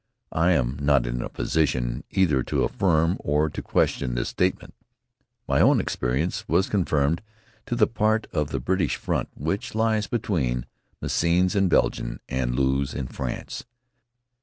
I am not in a position either to affirm or to question this statement. My own experience was confined to that part of the British front which lies between Messines in Belgium and Loos in France.